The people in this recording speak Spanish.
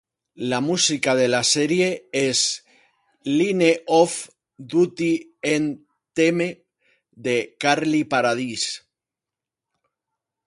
La música de la serie es "Line Of Duty End Theme" de Carly Paradis.